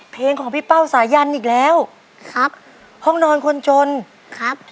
เพลงของพี่เป้าสายันอีกแล้วครับห้องนอนคนจนครับ